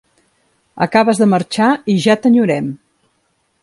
Acabes de marxar i ja t’enyorem!